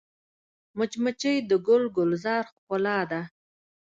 مچمچۍ د ګل ګلزار ښکلا ده